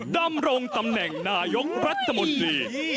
ดำรงตำแหน่งนายกรัฐมนตรี